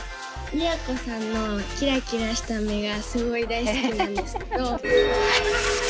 都さんのキラキラした目がすごい大好きなんですけど。